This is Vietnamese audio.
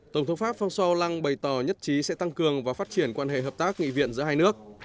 tổng thống pháp phong solang bày tỏ nhất trí sẽ tăng cường và phát triển quan hệ hợp tác nghị viện giữa hai nước